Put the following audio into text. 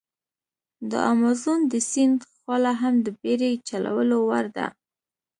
د امازون د سیند خوله هم د بېړی چلولو وړ ده.